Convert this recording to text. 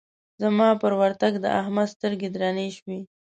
زما پر ورتګ د احمد سترګې درنې شوې.